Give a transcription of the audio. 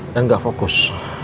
dan gak fokus